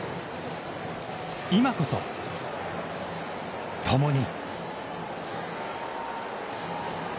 今こそ、共に。